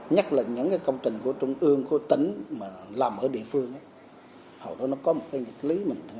nhất là những công trình của trung ương của tỉnh mà làm ở địa phương hồi đó nó có một cái nhịp lý